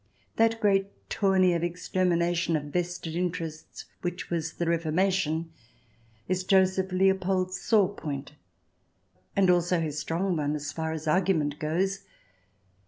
That great tourney of extermination of vested interests which was the Reformation is Joseph Leopold's sore point, and also his strong one as far as argument goes.